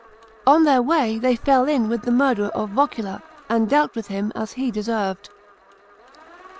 On their way they fell in with the murderer of Vocula, and dealt with him as he deserved.